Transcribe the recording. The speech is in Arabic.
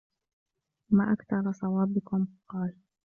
مَا أَكْثَرُ صَوَابِكُمْ ؟ قَالَ